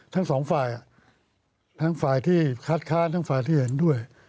ทั้งสองฝ่ายทั้งฝ่ายที่คัดค้านทั้งฝ่ายที่เห็นด้วย